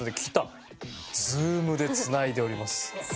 Ｚｏｏｍでつないでおります。